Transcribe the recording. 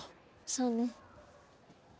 そうね。